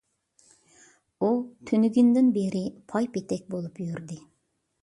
ئۇ تۈنۈگۈندىن بېرى پايپېتەك بولۇپ يۈردى.